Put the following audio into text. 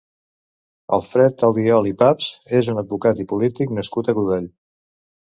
Alfred Albiol i Paps és un advocat i polític nascut a Godall.